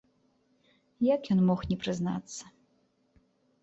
Як ён мог не прызнацца?!